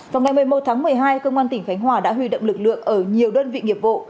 vào ngày một mươi một tháng một mươi hai công an tỉnh khánh hòa đã huy động lực lượng ở nhiều đơn vị nghiệp vụ